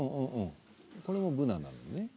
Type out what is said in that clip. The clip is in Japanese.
これもブナなのね。